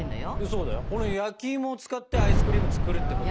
そうだよこの焼き芋を使ってアイスクリーム作るってこと。